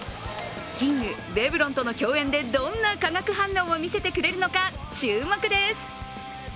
キング・レブロンとの共演でどんな化学反応を見せてくれるのか注目です。